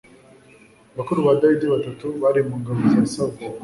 bakuru ba dawidi batatu bari mu ngabo za sawuli